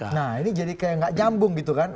nah ini jadi kayak nggak nyambung gitu kan